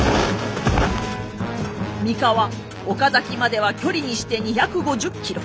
三河岡崎までは距離にして２５０ｋｍ。